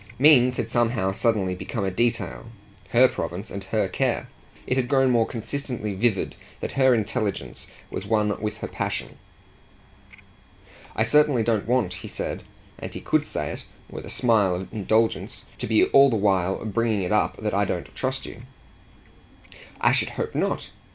Means had somehow suddenly become a detail her province and her care; it had grown more consistently vivid that her intelligence was one with her passion. "I certainly don't want," he said and he could say it with a smile of indulgence "to be all the while bringing it up that I don't trust you." "I should hope not!